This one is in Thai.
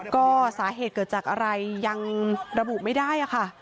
ก็สาเหตุเกิดจากอะไรยังระบุไม่ได้ค่ะ